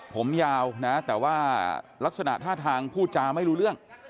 ผมยาวนะแต่ว่าลักษณะท่าทางพูดจาไม่รู้เรื่อง